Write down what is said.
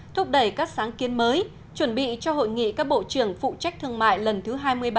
thúc đẩy các sáng kiến mới chuẩn bị cho hội nghị các bộ trưởng phụ trách thương mại lần thứ hai mươi ba